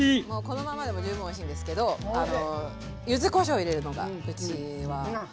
このままでも十分おいしいんですけど柚子こしょう入れるのがうちははやって。